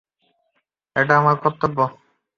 এটা আমার কর্তব্য।